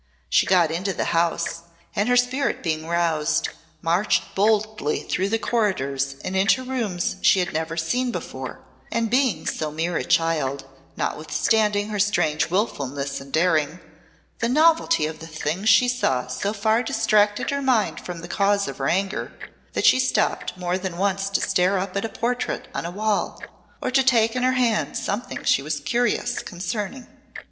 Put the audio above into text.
She got into the house, and her spirit being roused, marched boldly through corridors and into rooms she had never seen before, and being so mere a child, notwithstanding her strange wilfulness and daring, the novelty of the things she saw so far distracted her mind from the cause of her anger that she stopped more than once to stare up at a portrait on a wall, or to take in her hand something she was curious concerning.